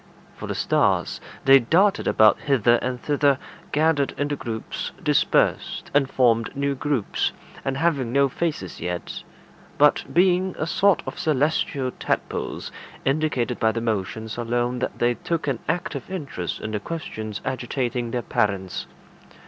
For the stars, they darted about hither and thither, gathered into groups, dispersed, and formed new groups, and having no faces yet, but being a sort of celestial tadpoles, indicated by their motions alone that they took an active interest in the questions agitating their parents.